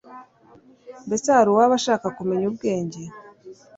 Mbese hari uwaba ashaka kumenya ubwenge?